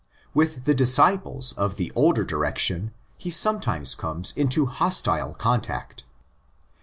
With the '' disciples' of the older direction he some times comes into hostile contact.